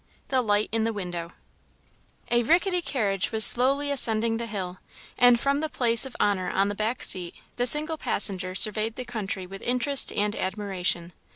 The Light in the Window A rickety carriage was slowly ascending the hill, and from the place of honour on the back seat, the single passenger surveyed the country with interest and admiration.